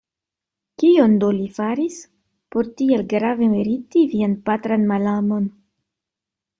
Kion do li faris, por tiel grave meriti vian patran malamon?